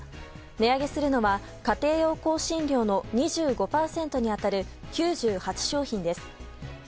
値上げするのは家庭用香辛料の２５％に当たる９８商品です。